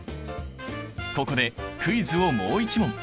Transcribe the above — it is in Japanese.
ここでクイズをもう一問。